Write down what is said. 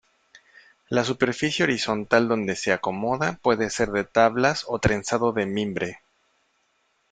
La superficie horizontal donde se acomoda puede ser de tablas o trenzado de mimbre.